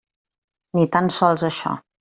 Ni tan sols això.